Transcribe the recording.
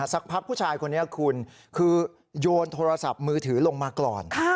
สักพักผู้ชายคนนี้คุณคือโยนโทรศัพท์มือถือลงมาก่อน